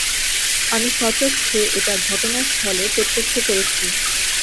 আমি স্বচক্ষে এটা ঘটনাস্থলে প্রত্যক্ষ করেছি।